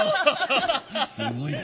すごいな！